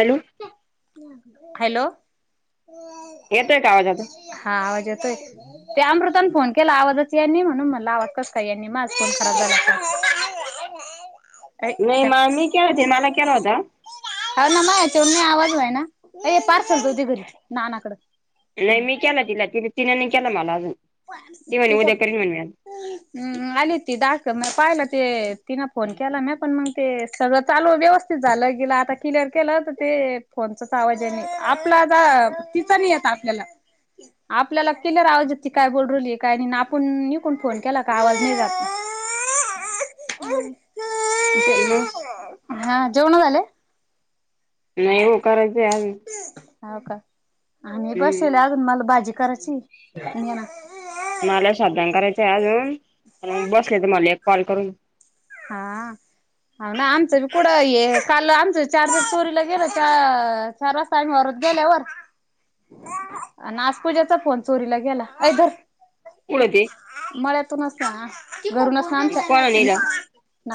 Hello. Hello येतोय का आवाज आता हा आवाज येतोय ते अमृत फोन केला आवाजच यांनी म्हणून मला आवडतस का यांनी माज फोन करा झाला. नाही का म मी केले होते मला केला होता हा ना मा याचेव मी आवाज व आहे ना पार्सल करती घरी नानाकडं. नाही ह मी केला तिला ति तिनेनी केला मला अजून ती म्हणे उद्या तिचम् करीन म्हणे आली ती दाख म पाहिला ते तिन फोन केला म पण मग ते सगळं चालू व्यवस्थित झालं गे आता क्लिअर केलं तर ते फोनचाच आवाज आहे आप तिचा नाही य आपल्याला आपल्याला केल्याज ती काय बोलरली काय नाही आपण इकडून फोन केला का आवाज नाही जातो. आज मग हा जेवण झाले. नाही येव कारायचे आजून हो का आणि बसले अजून मला भाजी करायची ये ना. मला शाबूदा करायचंय अजून बसले तर मला एक कॉल करून हा. हा ना आमचं बी कुठं हे काल आमचं चार दिवस चोरीला गेलं च चार वाजत आम्ही वरच गेल्यावर पूजेचा फोन चोरीला गेला अआई धर कुठते? मळ्यातूनच ना घरूनच ना आमच्या कोणा नेलं [unintelligible]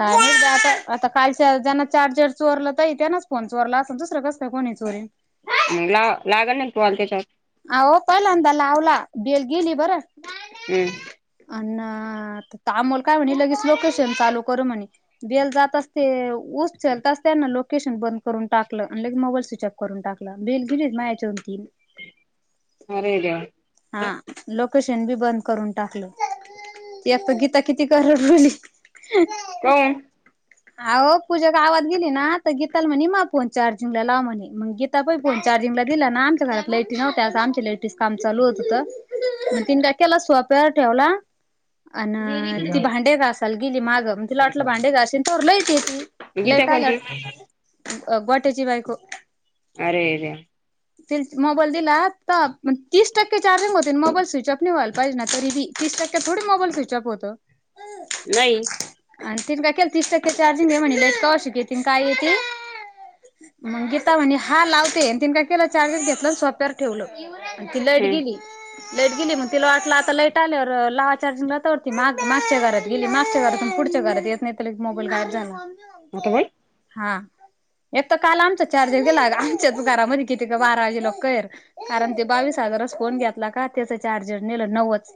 आता आता कालच्या ज्यांना चार्जर चोरलं तर त्यांनाच फोन चोरला असल दुसरं कसकाय कोणी च चोरेन मग ला लागल ना कॉल त्याच्यात अ हो पहिलांदा लावला बेल गेली बरं. हम्म. अ अमोल काय म्हणे लगेच लोकेशन चालू करू म्हणे बेल जात असते. उ चलताचा लोके लकेशन बंद करून टाकलं आणि लगे मोबाईल स्विच ऑफ करून टाकला बेल गेली मॅचन तीन अरे देवा हा लोक. शन बी बंद करून टाकले एक तर गीता किती करड बली कोण [unintelligible] अ पूजा गावात गेली ना तर गीताला म्हणेमा फोन चार्जिंग लाव म्हणे मग गीता पण फोन चार्जिंग तमला दिला ना आमच्या घरात लाईटी नव्ह्या आं आमच्या लाईटीच कामचालू होत होतं. म तीन टाक्याल सोफ्यावर ठेवला. अ ती भांडे घासायला गेली मागे मग तिला वाटलं भांडे घाशीन तोवर लाईट इन. गीता कोणती? गोट्याची बायको अरेर. ते मोबाईल दिला तर मग तीस टक्के चार्जिंग होते मोबाईल स्विच ऑफ न व्हायला पाहिजे ना तरीबी तीस टक्क्यात थोडी मोबाईल स्विचअप होत. नाही आणि तिन काय केलं तीस टक्के चार्जिंग घे म्हणले क शक ये ति काय ये ते. मग गीता म्हणे हा लावते तीने काय केला चार्जिंग घेत. ना सोप्यावर ठेवलं ति लाईट गेली. हम्म लेट गेली मग तिला वाटलं आता लाईट आल्यावर लावा चार्जिंगला तोडती माग मागच्या घरात गेली मागच्या घरात पुढच्या घरात येत नाही त्या मोबाईल गायब झाला आता बाई हा एक तर काल आमचा चा चार्जर गेला आमच्या घरामध्ये किती का बारा वाजे ल कर कारण ते बावीस हजारच फोन घेतला का त्याच चार्जर नेलं नववच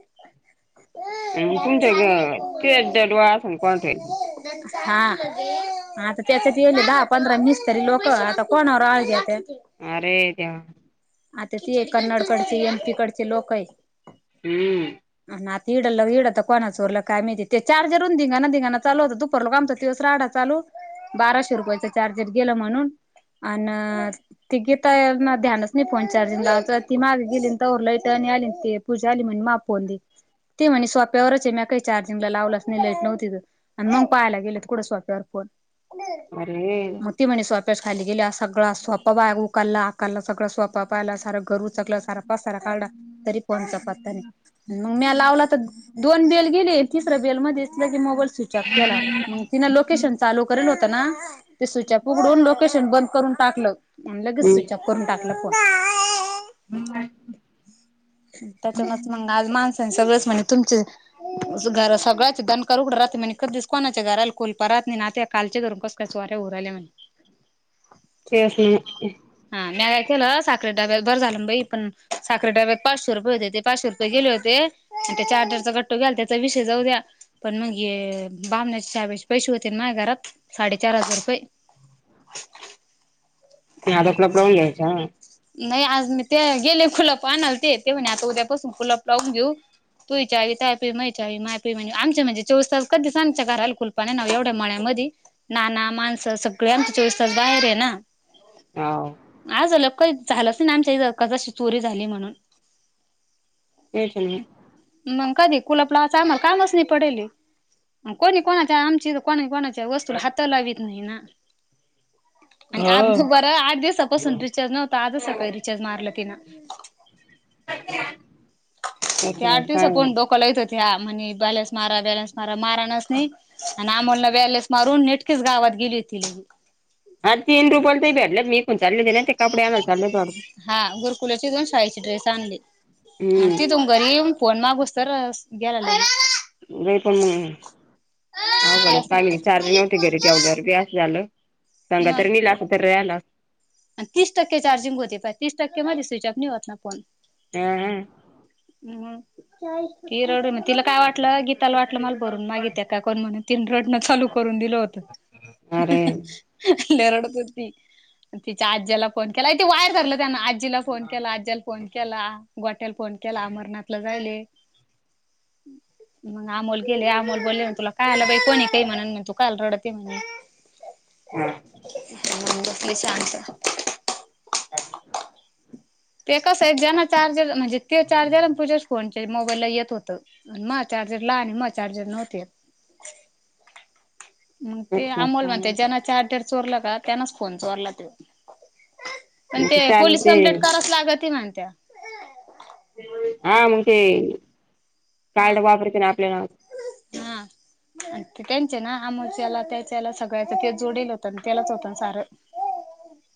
तुमच्या ते दडवा अस कोणठ हा आता त्यासाठी येले दहा पंधरा मिसतरी तरी लोक आता कोणावर आळ अरे देवा आता ते कन्नड कडचे एमपी कडचे लोक आहे हम्म [unintelligible] ल बाराशे रुपयाच चार्जर गेलं म्हणून गीताई ना ध्यानच मी फोन चार्जिंग लावती ती मागे गेली तर लाईटर्न आली ते पूजाली म्ह मझे फोन दे ते म्हणेज सोप्यावरच आहे मी काही चार्जिंग लावलंच नाही लाईट नव्हती त आणि मग पाहायला गेले तर कुढं सोप्यावर फोन अरे मग ती म्हणे सोप्याच खाली गेल्या सगळा स्वपं बाय उकालला आकालला सगळ स्वप पायला सारा घर उचकलं सारा पास सारा काढला तरी पण च पाततानी मग मी लावला तर दोन बेल गेले तिसऱ्या बेलमध्येध्ये की मोबाईल स्विच ऑफ केला मग तिन लोकेशन चालूेल ते स्विचप उघडून लोकेशन बंद करून टाकलं लगेच स्चप करून टाकलं कााय हम् त्याच्यानच मंग आज माणसांच रस म्हणजे तुमचे घर सगळ्याच दनकर उघड राहते म्ह दिस कोणाच्या घराला कुल परत नाही नात्या कालचे कररून कस कायच उरले म्हणे हा हा म काय केलं सा साखरे डव्यात बर झालं बाई पण साखरे डव्या पाचशे रुपये होते ते पाचशे रुपये गेले होते आणि त्या चार्जरचा कट्टो घ्याला त्याचा विषय जाऊ द्या पण मग बमण्याच्या हाब्याचे पैसे होते माय घरात साडेचार हजार रुपये हा नाही आज मी ते गेले फुलप आणल ते ते म्हणे आता उद्यापासून फुलप लावून घेऊ तु आ तय पी मै आवी माय पी म्हणजेमचे म्हणे चोवीस तास कधीच आम घ हलकुल पाणी नाव एवढं म्हणा कधी नाना माणसं सगळे आमच्या चोळीस तास बाहेर आहे ना हाव आ झालो का चालच ना आमच्या कशी चोरी झाली म्हणून तेच नाही आहे मग कधी कुलपलाच आम्हाला कामच नाही पडेल कोणी कोणाच्या आमची कोणी कोणाची वस्तू हाता लावीत नाही ना आणि आठ हो. बरं आठ दिवसापासून रिचार्ज नव क का रिचार्ज मारलं तेना त्याच्यावर याठ दिवस काय पण डोकलाहीच हो म्हणे बॅलेस मारा वॅलस मारा मारा नच नाही आणि आमोलला वॅलेस मारून नेटकीच गावा गेली होती ल हा तीन रुपयाला ते भटलात मी कोण चालले ना ते कपडे आणायला चालले होते वाटतं. हा गुरकुलाची दोन शाळेची ड्रेस आणली आणि ती हम्म तुम घरी फोन मागूस तर गेला नाहीई पण अवघड पागली चार्ज नव्हती घरी ते एवढ्या ववर बीस झालं सांगा तरी नीला अस तरला आणि तीस टक्के चार्जिंग होते प तीस टक्के माझी स्विचऑफ निवत ना फोन हम्म हम्म हम् कीरडन तिला काय वाटलं गीताला वाटलं मला भरून मागिते काय कोण म्हण तीन रडनं चालू करून दिलं होतं अरे लेरडपरती तिच्या आज्याला फोन केला त वायर गलं ण आजीला फोन केला आज्याला फोन केला गोट्याला फोन केला मरणातला जायले मग आमोल गेले आमोल बोलले तुला काय आला बाई कोणी काही म्हण तू कायला रडत म्हणे हम कसली सांगस अ ते कसं आहे ज्याना चार्जर म्हणजे ते चार्जर तझ्याच फोन मोबाईल ला येत होत मग चार्जर ला आणि मग चार्जर नव्ह [inaudible] मग ते अच्छा अमोल अच्छा म्हणते ज्यांना चार्जर चोरलं का त्यांनाच फोन चोरला ते पण ते चार्जिंग पोलीस ते कम्प्लेंट कराच लागत म्हणत हा मग ते हा काड वापरते ना आपल्याला हा. ते त्यांचे ना आमच्याला त्याच्याला सगळ्याच ते जोडेल होतं आणि त्यालाच होतं सारं ह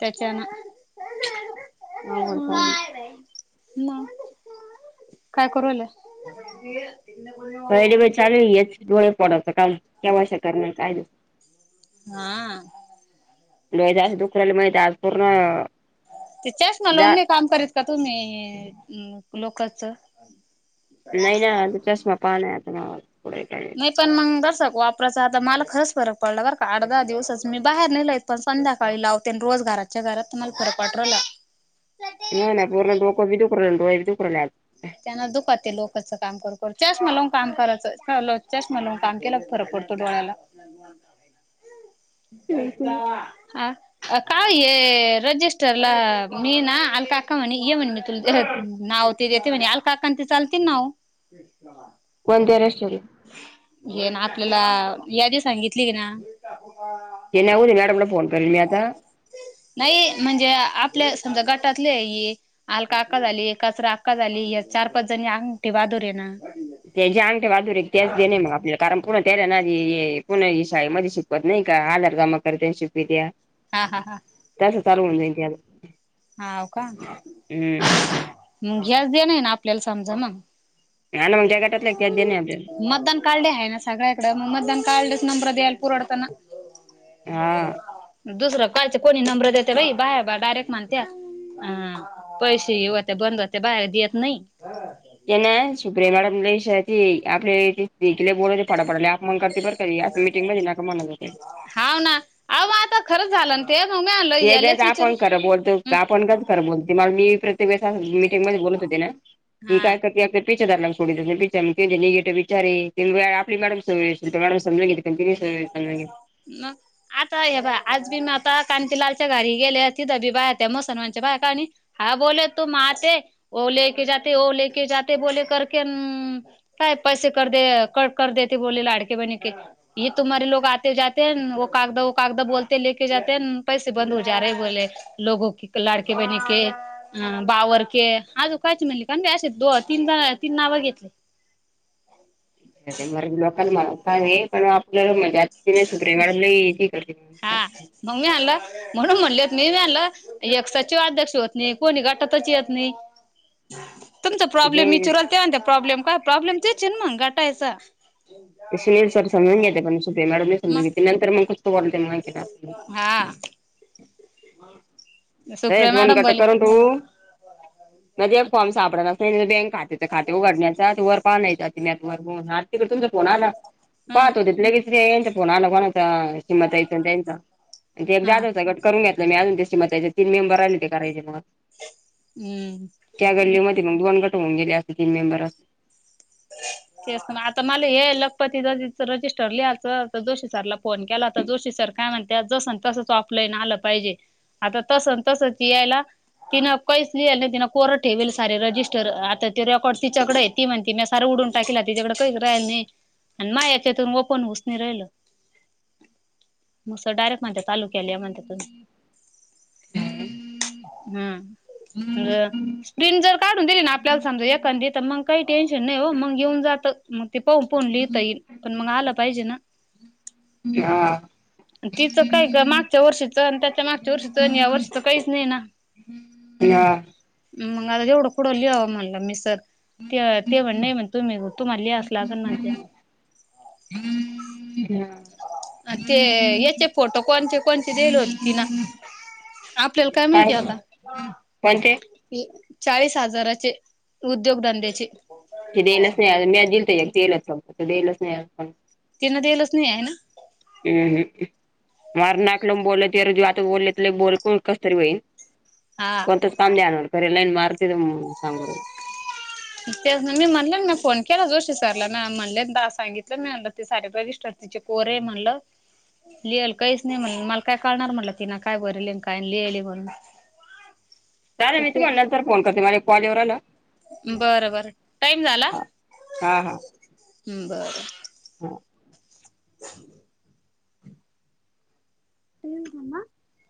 त्याच्या ना अवरल काम मग काय करू राहील हडी चालच डोळे पडाता काल केव श करणार काय दिस हा डोळे लई दुख राहिले माहित आज पूर्ण ते चष्मा लावून जा नाही का काम करीत का तुम्ही लोकच नाहीय नाही आता चष्मा नाही आता ना नाही पण मंग बस वापरायच आता मला खरच फरक पडला बरं का आठ दहा दिवसच मी बाहेर नेयत पण संध्याकाळी लावते रोज घराच्या घरात मला फरक वाटला नाही नाही पूर्ण डोक बी आणि डोळ बी दुकुरहील्या त्यांना दुखातते लोकचं काम करून करून चष्मा लावून काम करायचं चष्मा लावून काम केला फरक पडतो डोळ्याला हा अ काय रजिस्टर ला मी ना अल काका मणी ये म्हणे मी तु नाव ते येते म्हणे अलका ती चालते नाव कोणत्या रेस्टॉरंट ये ना आपल्याला यादी सांगितली की ना ते नाही उद्या मॅडमला फोन करेल मी आता नाही म्हणजे आपल्या तुमच्या गटातले आहे आलका आका झाली कचरा अलका झाली या चार पाच जणी अंगठा बहादूर आईना ना ते जे अंगठे बहादुर तेच देणे मग आपल्याला कारण पुणा त्याला आ पुणा शाळे मध्ये शिकवत नाही का आधार जमा करत त्यां शिकवीत त्या हा हा हा तसं चालवण जाईन हाव का मग घ्यास दे ना ना आपल्याला समजा मग आणि मग ज्या गटातल्या त्याच देणे आपल्याला मतदान कार्ड आहे ना सगळ्याकडे मग मतदान कार्ड नंबर यालपूरढताना हा दुसरं कालचे कोणी नंबर देते बाई बाहे बा डायरेक्ट माणते हा पैसेही होते बंद होते बाहेर देत नाही त्यांना सुप्रिया मॅडम लई श ते आपल्याला लई बोल फडफडा बोलते मग करते बर क असं मीटिंगमध्ये म्हणत नाका होते हाव ना अहो मग आता खरंच झालं ना ते मग मी आलं हेच हेच यालेच विचारू आपण खरं बोलतो हम्म आपण ग खरं बोलतो मग मी प्रत्येक व बोलत होते ना की हा काय करते [unintelligible] [inaudible] मग आता हे बा आज बी मी आता कांतीलालच्या घरी गेले तिथं बी बायात्या मुसलमानच्या बाया काणी हा बोले तुम आते ओले के जाते ओ लेके बोले कर म्ह ह काय पैसे कर दे कर देती बोले लाडके बहन के ये तुम्हारे लोग आते जाते कागदा ओ कागदा बोलते लेके जाते पैसे बंद हो जा र बोले लोगो लडके बहन के बावरके आजो काची म्हणली असो तीन ज तीन नाव घेतले. [inaudible] सुप्रिया मॅडम लई हे करते हा मग मी आणलं म्हणून म्हणलेत मी मी आणलं यसााचे अध्यक्ष होत नाही कोणी गटातची येत नाही तुमचा प्रॉब्लेम मी ते चुराल तेव्हा ते प्रॉब्लेम काय प्रॉब्लेम ते चेन मग गटायचा सुनील सर समजून घेते पण सुप्रिया मॅडम नही समजून घेते नंतर मग [inaudible] हा र सुप्रिया दोन मॅडम घटक बोले कर तू मध्ये एक फॉर्म सापडना बँक खात्याचं खाते उघडण्याचा वर पाह नाहीयचा वर ह तिकडे तुमचा फोन आला ह पाहत हो त ल कसरी यांच्या फोन आला कोणा हा [inaudible] त मेंबर कराय हम्म त्या गडली दोन ग होऊन गेले अस तीन मेंबर अस तेच ना आता मला हे लखपती जच रजिस्टर लिहायं जोशी सरला फोन केला तर जोशी सर काय म्हणत जस तसच ऑफलाईन आलं पाहिजे आता तस तसच यायला तिनं काहीच लिहिल ना तिं कोरं ठेवेल सारे रजिस्टर आता ते रेकॉर् ती चगडं आहे ती म्हणते म सार उडून टाकला तिच्याकडं काही राहिल नाही आणि मा याच्यातून पन उसणी राहिल मगस डायरेक्ट म्हणत तालुक्याला या म्हणत तुम्ही हम हा अ स्प्रिंग जर काढून दिली ना आपल्याला समजा एखांदी मग काही टेन्श नाही हो मग येऊन जात मग ते पा पोन लिहता येईल पण मग आलं पाहिजे ना हा तिचं काय का मागच्या वर्षीच आणि त्याच्या मागच्या वर्षीच आणि या वर्षीच काहीच नाही ना हां मग आता जवढं कुठं लिहावं म्हणला मि सर ते ते म्हण नाही म्हण तुम्ही तुम्हाला लिहास लागल ना त्या ते याचे फोटो कोणचे कोणचे दिले होते तिन आपल्याला काय माहिती आता कोणते चाळीस हजाराचे उद्योगधंद्याचे के ल स्नेह म्याज जल य तेला स्नेह त्यांना दयलाच नाही आहे ना हम्म हम्म मार नाक लाून बोललात रजू आता बोललेत बोल कस तरी होईल हा कोणतच कामलीणाररलान मारत सांगर ते मी म्हणले ना फोन केला जोशी सरला ना म्हणले सांगितलं म म्ह ते सारे ब तिचे कोरे म्हणल लिहिल काहीच नाही म्हण मला काय कळणार म्हटलं तिन काय बरल काय लिहिले म्हणून चालेल तर मी ते तुम्हाला नंतर फोन करते माझ कॉलवर आला बरं बर टाइम झाला हा हा बर हो [inaudible] [unintelligible] [unintelligible]